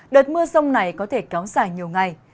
đợt mưa rông này có thể kéo dài nhiều ngày